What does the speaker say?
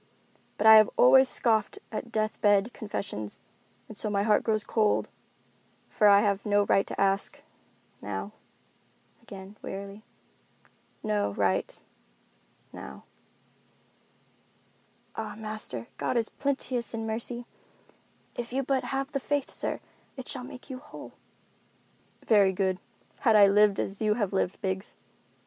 But I have always scoffed at death bed confessions, and so my heart grows cold, for I have no right to ask—now." Again, wearily, "No right—now." "Ah, master, God is plenteous in mercy. If you but have the faith, sir, it shall make you whole." "Very good, had I lived as you have lived, Biggs."